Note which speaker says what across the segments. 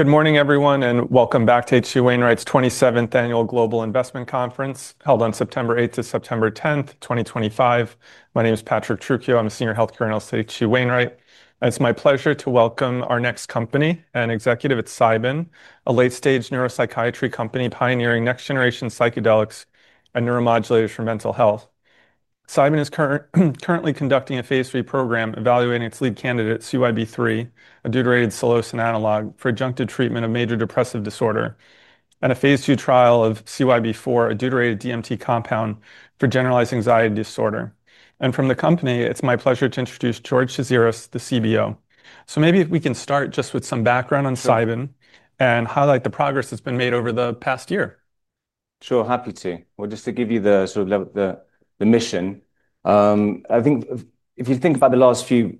Speaker 1: Good morning, everyone, and welcome back to H.C. Wainwright's 27th annual Global Investment Conference held on September 8th to September 10th, 2025. My name is Patrick Truchio. I'm a Senior Healthcare Analyst at H.C. Wainwright. It's my pleasure to welcome our next company, an executive at Cybin Inc., a late-stage neuropsychiatry company pioneering next-generation psychedelics and neuromodulators for mental health. Cybin Inc. is currently conducting a phase 3 program, evaluating its lead candidate, CYB003, a deuterated psilocin analog for adjunctive treatment of major depressive disorder, and a phase 2 trial of CYB004, a deuterated DMT compound for generalized anxiety disorder. From the company, it's my pleasure to introduce George Tziras, the CBO. Maybe if we can start just with some background on Cybin Inc. and highlight the progress that's been made over the past year.
Speaker 2: Sure, happy to. Just to give you the sort of the mission, I think if you think about the last few,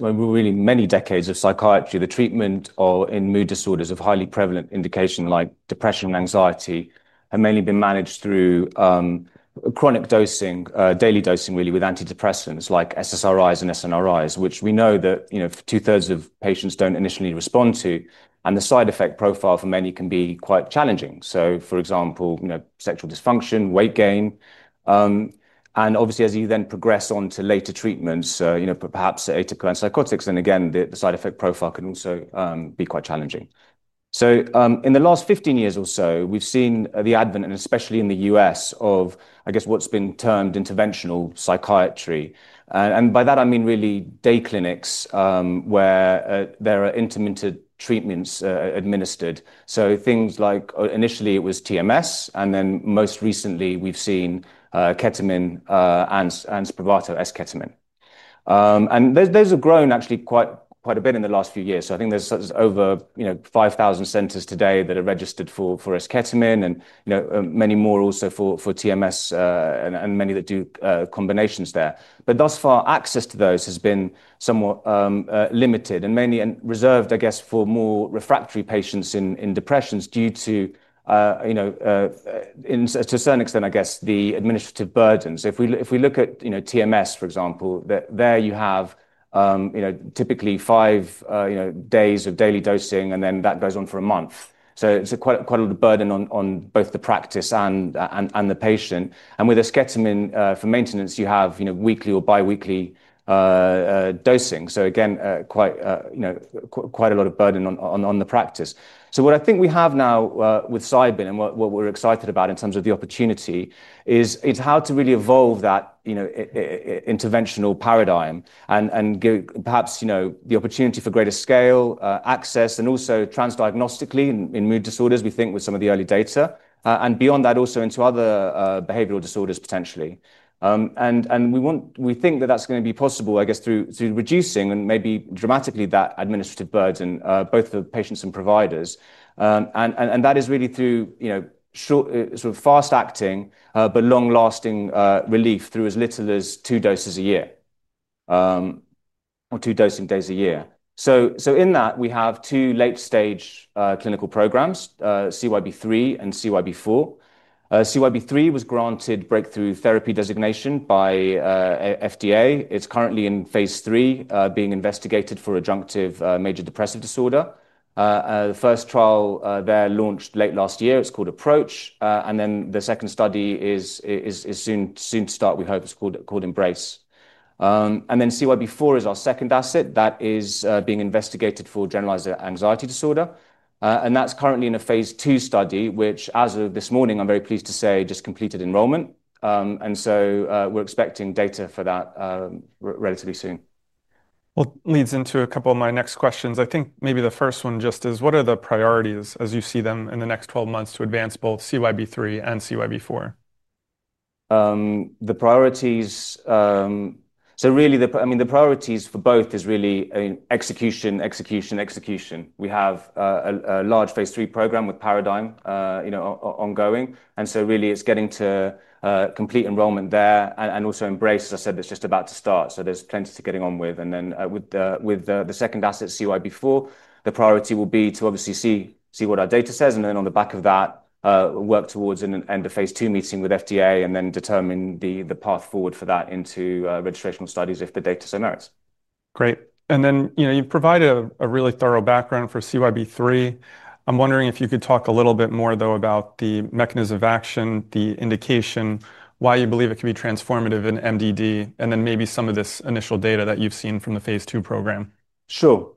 Speaker 2: really many decades of psychiatry, the treatment in mood disorders of highly prevalent indication like depression and anxiety have mainly been managed through chronic dosing, daily dosing really, with antidepressants like SSRIs and SNRIs, which we know that two-thirds of patients don't initially respond to. The side effect profile for many can be quite challenging. For example, sexual dysfunction, weight gain. As you then progress on to later treatments, perhaps atypical antipsychotics, again, the side effect profile can also be quite challenging. In the last 15 years or so, we've seen the advent, especially in the U.S., of what's been termed interventional psychiatry. By that, I mean really day clinics where there are intermittent treatments administered. Things like initially it was TMS, and then most recently we've seen Ketamine and Spravato (S-Ketamine). Those have grown actually quite a bit in the last few years. I think there's over 5,000 centers today that are registered for S-Ketamine and many more also for TMS and many that do combinations there. Thus far, access to those has been somewhat limited and mainly reserved, I guess, for more refractory patients in depressions due to, to a certain extent, the administrative burden. If we look at TMS, for example, there you have typically five days of daily dosing and then that goes on for a month. It's quite a lot of burden on both the practice and the patient. With S-Ketamine for maintenance, you have weekly or biweekly dosing. Again, quite a lot of burden on the practice. What I think we have now with Cybin Inc. and what we're excited about in terms of the opportunity is how to really evolve that interventional paradigm and give perhaps the opportunity for greater scale access and also transdiagnostically in mood disorders, we think with some of the early data. Beyond that, also into other behavioral disorders potentially. We think that that's going to be possible through reducing and maybe dramatically that administrative burden, both for patients and providers. That is really through short, sort of fast-acting but long-lasting relief through as little as two doses a year or two dosing days a year. In that, we have two late-stage clinical programs, CYB003 and CYB004. CYB003 was granted Breakthrough Therapy Designation by the FDA. It's currently in phase 3, being investigated for adjunctive major depressive disorder. The first trial there launched late last year. It's called APPROACH, and the second study is soon to start, we hope, it's called EMBRACE. CYB004 is our second asset that is being investigated for generalized anxiety disorder. That's currently in a phase 2 study, which as of this morning, I'm very pleased to say just completed enrollment. We're expecting data for that relatively soon.
Speaker 1: It leads into a couple of my next questions. I think maybe the first one just is what are the priorities as you see them in the next 12 months to advance both CYB003 and CYB004?
Speaker 2: The priorities, so really, I mean, the priorities for both is really execution, execution, execution. We have a large phase 3 program with Paradigm, you know, ongoing. It's getting to complete enrollment there and also EMBRACE, as I said, that's just about to start. There's plenty to get on with. With the second asset, CYB004, the priority will be to obviously see what our data says and then on the back of that work towards an end of phase 2 meeting with FDA and then determine the path forward for that into registrational studies if the data so merits.
Speaker 1: Great. You provide a really thorough background for CYB003. I'm wondering if you could talk a little bit more about the mechanism of action, the indication, why you believe it could be transformative in MDD, and maybe some of this initial data that you've seen from the phase 2 program.
Speaker 2: Sure.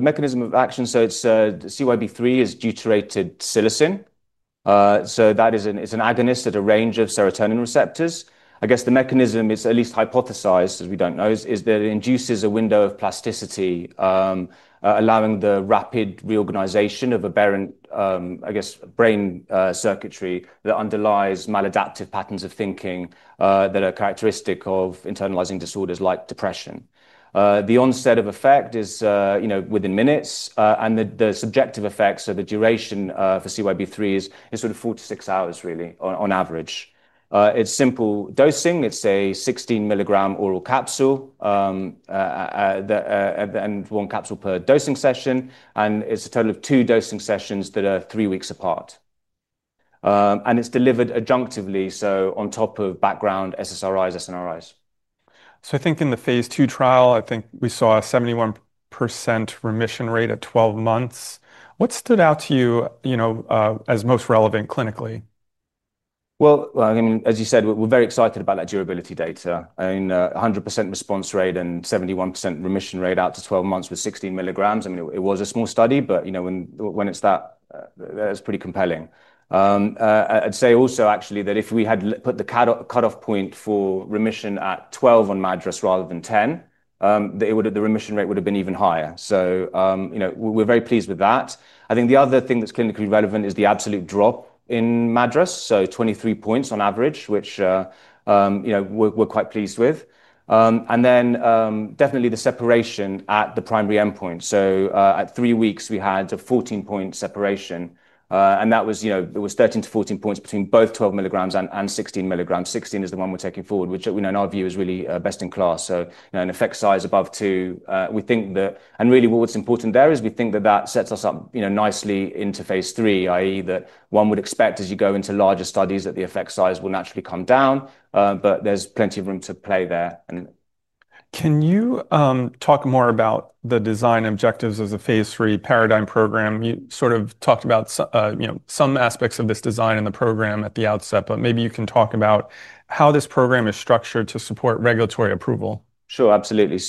Speaker 2: Mechanism of action, CYB003 is deuterated psilocin. That is an agonist at a range of serotonin receptors. The mechanism, it's at least hypothesized, as we don't know, is that it induces a window of plasticity, allowing the rapid reorganization of aberrant brain circuitry that underlies maladaptive patterns of thinking that are characteristic of internalizing disorders like depression. The onset of effect is within minutes. The subjective effects, the duration for CYB003 is four to six hours really on average. It's simple dosing. It's a 16 milligram oral capsule and one capsule per dosing session. It's a total of two dosing sessions that are three weeks apart. It's delivered adjunctively, on top of background SSRIs, SNRIs.
Speaker 1: I think in the phase 2 trial, I think we saw a 71% remission rate at 12 months. What stood out to you as most relevant clinically?
Speaker 2: As you said, we're very excited about that durability data. I mean, 100% response rate and 71% remission rate out to 12 months with 16 milligrams. It was a small study, but when it's that, that's pretty compelling. I'd say also actually that if we had put the cutoff point for remission at 12 on MADRS rather than 10, the remission rate would have been even higher. We're very pleased with that. I think the other thing that's clinically relevant is the absolute drop in MADRS, so 23 points on average, which we're quite pleased with. Definitely the separation at the primary endpoint. At three weeks, we had a 14-point separation. There was 13 to 14 points between both 12 milligrams and 16 milligrams. Sixteen is the one we're taking forward, which in our view is really best in class. An effect size above two, we think that, and really what's important there is we think that that sets us up nicely into phase 3, i.e. that one would expect as you go into larger studies that the effect size will naturally come down. There's plenty of room to play there.
Speaker 1: Can you talk more about the design objectives of the phase 3 Paradigm program? You sort of talked about, you know, some aspects of this design in the program at the outset, but maybe you can talk about how this program is structured to support regulatory approval.
Speaker 2: Sure, absolutely.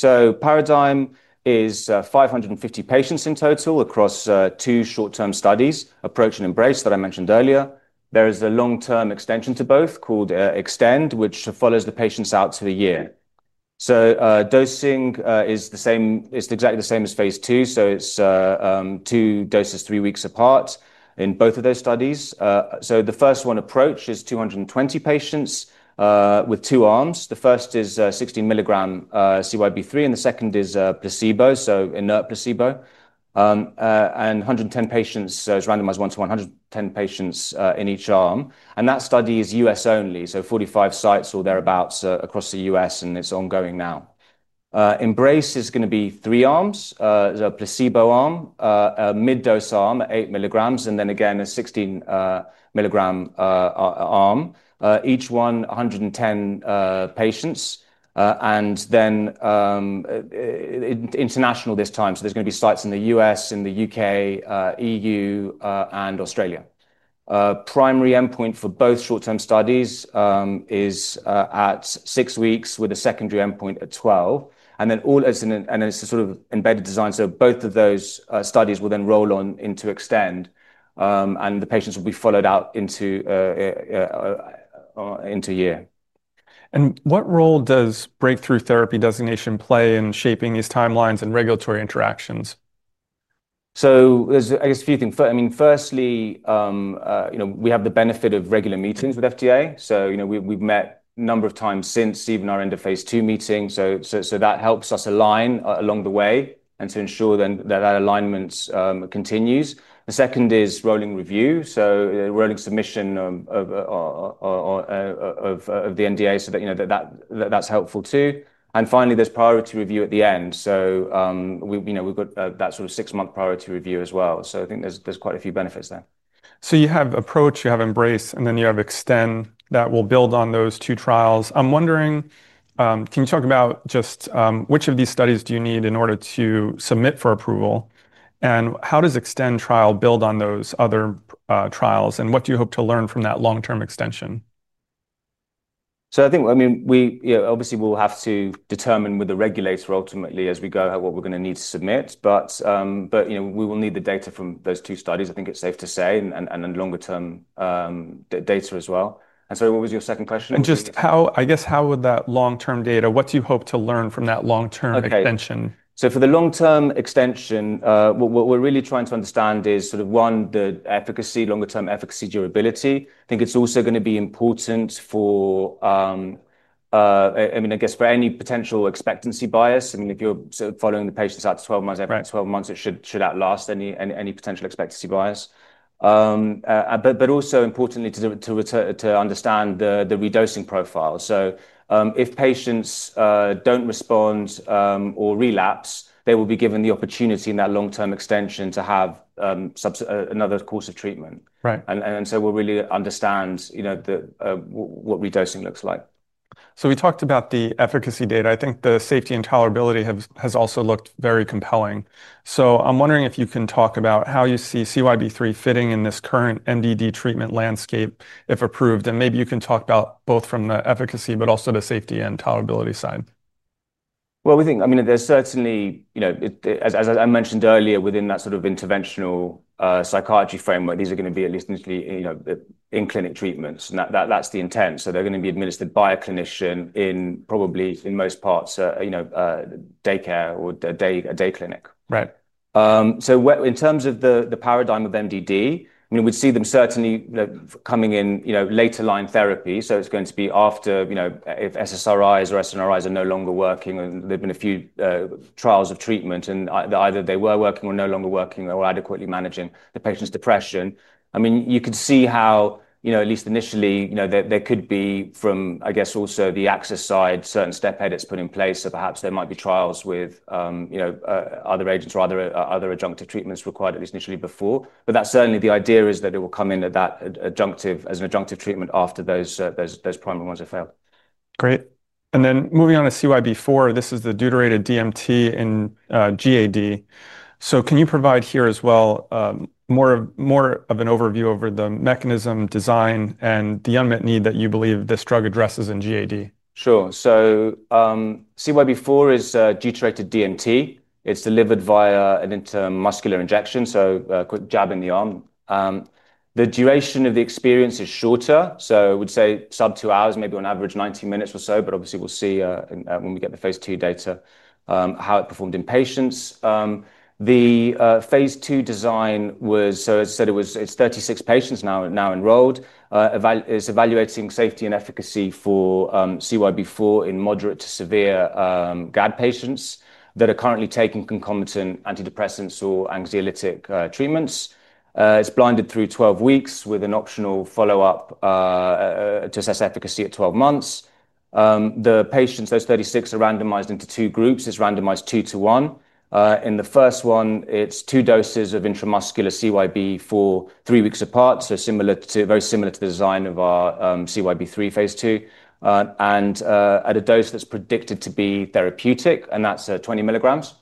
Speaker 2: Paradigm is 550 patients in total across two short-term studies, APPROACH and EMBRACE that I mentioned earlier. There is a long-term extension to both called EXTEND, which follows the patients out to a year. Dosing is exactly the same as phase 2. It is two doses three weeks apart in both of those studies. The first one, APPROACH, is 220 patients with two arms. The first is 16 milligram CYB003 and the second is placebo, so inert placebo. There are 110 patients, so it's randomized one to one, 110 patients in each arm. That study is U.S. only, about 45 sites across the U.S., and it's ongoing now. EMBRACE is going to be three arms, a placebo arm, a mid-dose arm at 8 milligrams, and then again a 16 milligram arm, each one 110 patients. It is international this time, so there are going to be sites in the U.S., in the UK, EU, and Australia. The primary endpoint for both short-term studies is at six weeks with a secondary endpoint at 12. It is a sort of embedded design, so both of those studies will then roll on into EXTEND, and the patients will be followed out into a year.
Speaker 1: What role does FDA Breakthrough Therapy Designation play in shaping these timelines and regulatory interactions?
Speaker 2: There are a few things. Firstly, we have the benefit of regular meetings with FDA. We've met a number of times since even our end of phase 2 meeting. That helps us align along the way and to ensure that alignment continues. The second is rolling review, so rolling submission of the NDA. That's helpful too. Finally, there's priority review at the end. We've got that sort of six-month priority review as well. I think there's quite a few benefits there.
Speaker 1: You have APPROACH, you have EMBRACE, and then you have EXTEND that will build on those two trials. I'm wondering, can you talk about just which of these studies you need in order to submit for approval? How does the EXTEND trial build on those other trials? What do you hope to learn from that long-term extension?
Speaker 2: I think we, you know, obviously we'll have to determine with the regulator ultimately as we go what we're going to need to submit. You know, we will need the data from those two studies, I think it's safe to say, and then longer-term data as well. What was your second question?
Speaker 1: How would that long-term data, what do you hope to learn from that long-term extension?
Speaker 2: Okay. For the long-term extension, what we're really trying to understand is, one, the efficacy, longer-term efficacy, durability. I think it's also going to be important for any potential expectancy bias. If you're following the patients out to 12 months, it should outlast any potential expectancy bias. Also, it's important to understand the redosing profile. If patients don't respond or relapse, they will be given the opportunity in that long-term extension to have another course of treatment.
Speaker 1: Right.
Speaker 2: We'll really understand, you know, what redosing looks like.
Speaker 1: We talked about the efficacy data. I think the safety and tolerability has also looked very compelling. I'm wondering if you can talk about how you see CYB003 fitting in this current MDD treatment landscape if approved. Maybe you can talk about both from the efficacy, but also the safety and tolerability side.
Speaker 2: I mean, there's certainly, you know, as I mentioned earlier, within that sort of interventional psychiatry framework, these are going to be at least initially, you know, in clinic treatments. That's the intent. They're going to be administered by a clinician in probably, in most parts, you know, daycare or a day clinic.
Speaker 1: Right.
Speaker 2: In terms of the paradigm of MDD, we'd see them certainly coming in later line therapy. It's going to be after, if SSRIs or SNRIs are no longer working, and there've been a few trials of treatment, and either they were working or no longer working or adequately managing the patient's depression. You could see how, at least initially, there could be from, I guess, also the access side, certain step aids that's put in place. Perhaps there might be trials with other agents or other adjunctive treatments required at least initially before. That's certainly the idea, that it will come in at that adjunctive, as an adjunctive treatment after those primary ones have failed.
Speaker 1: Great. Moving on to CYB004, this is the deuterated DMT in GAD. Can you provide here as well more of an overview over the mechanism design and the unmet need that you believe this drug addresses in GAD?
Speaker 2: Sure. CYB004 is deuterated DMT. It's delivered via an intramuscular injection, so jabbing the arm. The duration of the experience is shorter. I would say sub two hours, maybe on average 19 minutes or so, but obviously we'll see when we get the phase 2 data how it performed in patients. The phase 2 design was, as I said, it's 36 patients now enrolled. It's evaluating safety and efficacy for CYB004 in moderate to severe GAD patients that are currently taking concomitant antidepressants or anxiolytic treatments. It's blinded through 12 weeks with an optional follow-up to assess efficacy at 12 months. The patients, those 36, are randomized into two groups. It's randomized two to one. In the first one, it's two doses of intramuscular CYB004 three weeks apart, very similar to the design of our CYB003 phase 2, and at a dose that's predicted to be therapeutic, and that's 20 milligrams.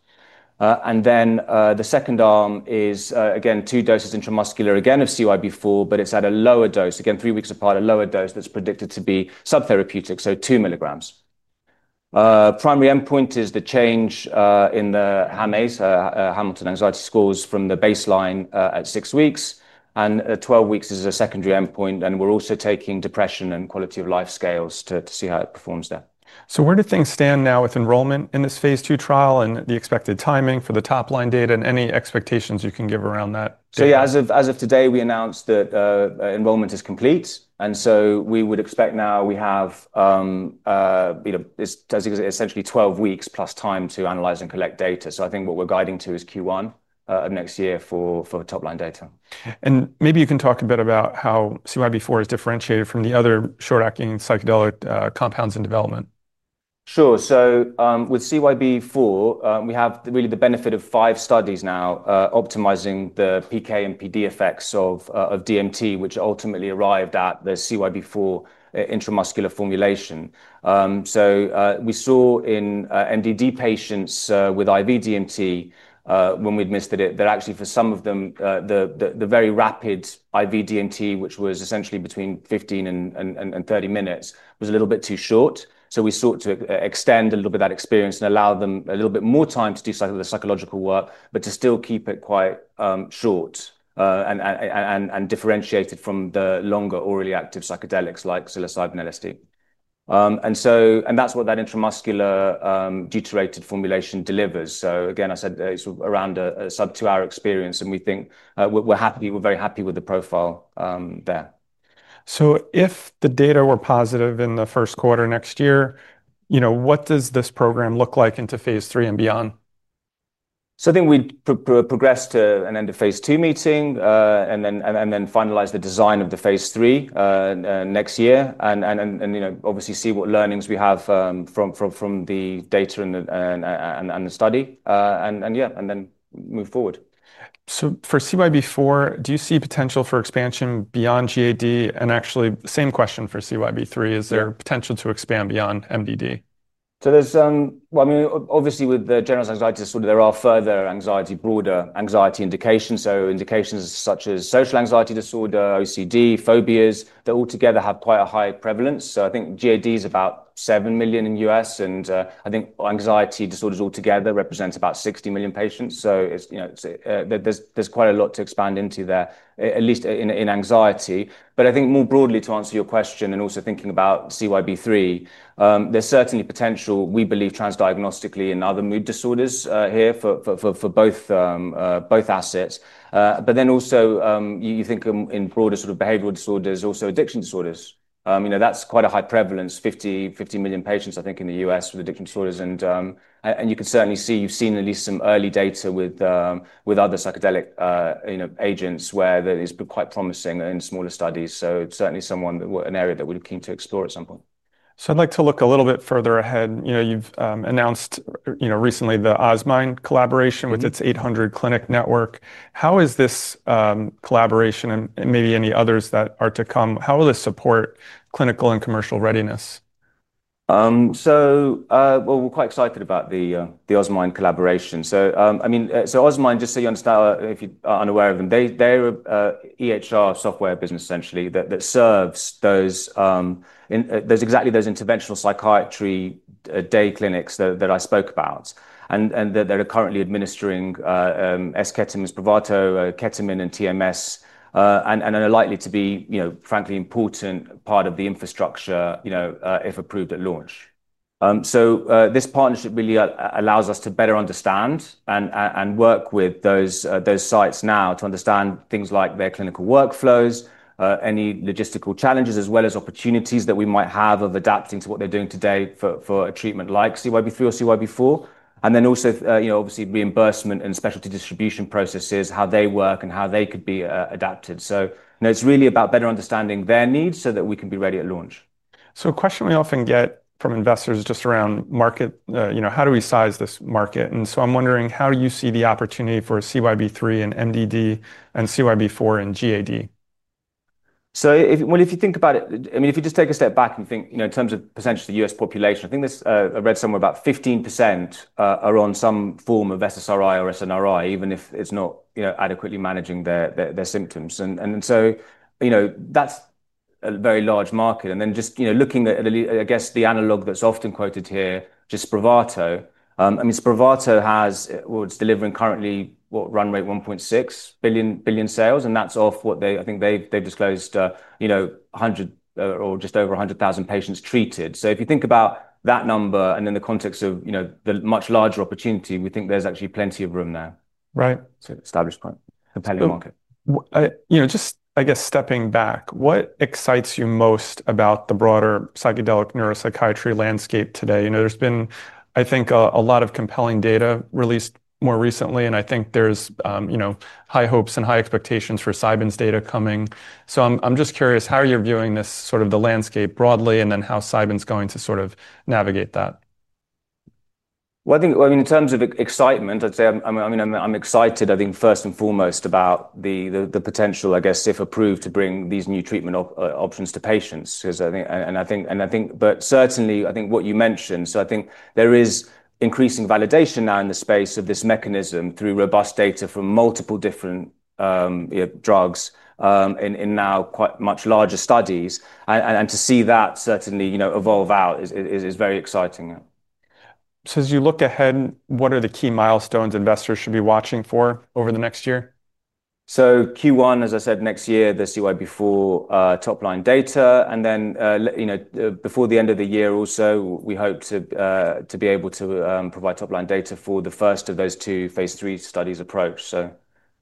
Speaker 2: The second arm is again two doses intramuscular of CYB004, but it's at a lower dose, again three weeks apart, a lower dose that's predicted to be subtherapeutic, so two milligrams. Primary endpoint is the change in the HAMA, Hamilton Anxiety Scores, from the baseline at six weeks. The 12 weeks is a secondary endpoint. We're also taking depression and quality of life scales to see how it performs there.
Speaker 1: Where do things stand now with enrollment in this phase 2 trial and the expected timing for the top line data and any expectations you can give around that?
Speaker 2: As of today, we announced that enrollment is complete. We would expect now we have, you know, it's essentially 12 weeks plus time to analyze and collect data. I think what we're guiding to is Q1 of next year for top line data.
Speaker 1: Maybe you can talk a bit about how CYB004 is differentiated from the other short-acting psychedelic compounds in development.
Speaker 2: Sure. With CYB004, we have really the benefit of five studies now optimizing the PK and PD effects of DMT, which ultimately arrived at the CYB004 intramuscular formulation. We saw in MDD patients with IV DMT, when we administered it, that actually for some of them, the very rapid IV DMT, which was essentially between 15 and 30 minutes, was a little bit too short. We sought to extend a little bit of that experience and allow them a little bit more time to do psychological work, but to still keep it quite short and differentiated from the longer orally active psychedelics like psilocybin and LSD. That's what that intramuscular deuterated formulation delivers. Again, I said it's around a sub two-hour experience, and we think we're happy, we're very happy with the profile there.
Speaker 1: If the data were positive in the first quarter next year, you know, what does this program look like into phase 3 and beyond?
Speaker 2: I think we'd progress to an end of phase 2 meeting and then finalize the design of the phase 3 next year, obviously see what learnings we have from the data and the study, and then move forward.
Speaker 1: For CYB004, do you see potential for expansion beyond GAD? Actually, same question for CYB003, is there potential to expand beyond MDD?
Speaker 2: Obviously, with generalized anxiety disorder, there are further anxiety, broader anxiety indications. Indications such as social anxiety disorder, OCD, phobias, they all together have quite a high prevalence. I think GAD is about 7 million in the U.S., and I think anxiety disorders all together represent about 60 million patients. There is quite a lot to expand into there, at least in anxiety. More broadly, to answer your question and also thinking about CYB003, there's certainly potential, we believe, transdiagnostically in other mood disorders here for both assets. Then also you think in broader sort of behavioral disorders, also addiction disorders. That's quite a high prevalence, 50 million patients, I think, in the U.S. with addiction disorders. You can certainly see, you've seen at least some early data with other psychedelic agents where that is quite promising in smaller studies. Certainly an area that we're keen to explore at some point.
Speaker 1: I'd like to look a little bit further ahead. You've announced recently the OZMINE collaboration with its 800 clinic network. How is this collaboration and maybe any others that are to come, how will this support clinical and commercial readiness?
Speaker 2: We're quite excited about the OZMINE collaboration. OZMINE, just so you understand, if you are unaware of them, they're an EHR software business essentially that serves those, those exactly interventional psychiatry day clinics that I spoke about. They're currently administering Spravato, Ketamine, and TMS. They're likely to be, you know, frankly important part of the infrastructure, you know, if approved at launch. This partnership really allows us to better understand and work with those sites now to understand things like their clinical workflows, any logistical challenges, as well as opportunities that we might have of adapting to what they're doing today for a treatment like CYB003 or CYB004. Also, you know, obviously reimbursement and specialty distribution processes, how they work and how they could be adapted. It's really about better understanding their needs so that we can be ready at launch.
Speaker 1: A question we often get from investors just around market, you know, how do we size this market? I'm wondering, how do you see the opportunity for CYB003 in MDD and CYB004 in GAD?
Speaker 2: If you think about it, I mean, if you just take a step back and think, in terms of potentially the U.S. population, I think this, I read somewhere about 15% are on some form of SSRI or SNRI, even if it's not adequately managing their symptoms. That's a very large market. Just looking at, I guess, the analog that's often quoted here, just Spravato. Spravato has, well, it's delivering currently what, run rate $1.6 billion sales. That's off what they, I think they've disclosed, you know, 100,000 or just over 100,000 patients treated. If you think about that number and in the context of the much larger opportunity, we think there's actually plenty of room there.
Speaker 1: Right.
Speaker 2: To establish quite a compelling market.
Speaker 1: Just stepping back, what excites you most about the broader psychedelic neuropsychiatry landscape today? There's been, I think, a lot of compelling data released more recently. I think there's high hopes and high expectations for Cybin's data coming. I'm just curious, how are you viewing this, the landscape broadly and then how Cybin's going to navigate that?
Speaker 2: I think, in terms of excitement, I'd say I'm excited, first and foremost, about the potential, I guess, if approved, to bring these new treatment options to patients. I think what you mentioned, there is increasing validation now in the space of this mechanism through robust data from multiple different drugs in now quite much larger studies. To see that certainly evolve out is very exciting.
Speaker 1: As you look ahead, what are the key milestones investors should be watching for over the next year?
Speaker 2: Q1, as I said, next year, the CYB004 top line data. Before the end of the year also, we hope to be able to provide top line data for the first of those two phase 3 studies, APPROACH.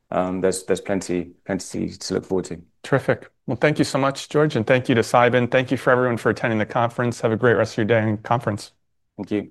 Speaker 2: There's plenty to look forward to.
Speaker 1: Terrific. Thank you so much, George, and thank you to Cybin. Thank you everyone for attending the conference. Have a great rest of your day and conference.
Speaker 2: Thank you.